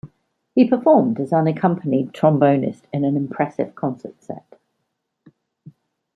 He performed as unaccompanied trombonist in an impressive concert set.